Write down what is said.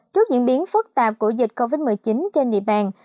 trước diễn biến phức tạp của dịch covid một mươi chín trên địa bàn